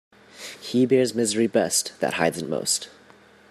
He bears misery best that hides it most.